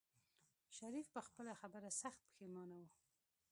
شريف په خپله خبره سخت پښېمانه و.